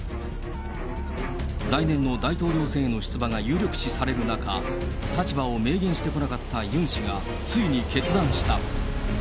来年の大統領選への出馬が有力視される中、立場を明言してこなかったユン氏がついに決断した。